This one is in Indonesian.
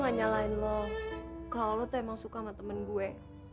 gak nyalain lo kalau lo tuh emang suka sama temen gue